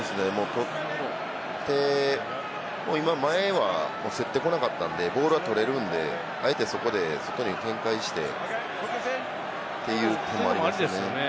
取って前は競ってこなかったんで、ボールは取れるんで、あえてそこに展開してということもありますね。